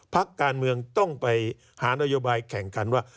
พักการเมืองต้องไปหานโยบายแข่งขันว่า